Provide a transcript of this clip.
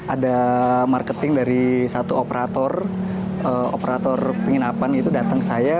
ada marketing dari satu operator operator penginapan itu datang ke saya